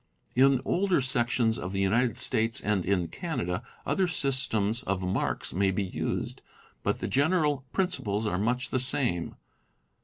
In older sections of the United States, and in Canada, other systems of marks may be used; but the general principles are much the same.